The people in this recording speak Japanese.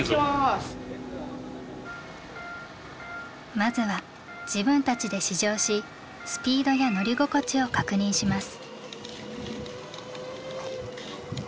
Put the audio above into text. まずは自分たちで試乗しスピードや乗り心地を確認します。